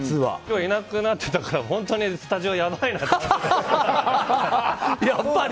僕いなくなってたから今日本当にスタジオやばいなって。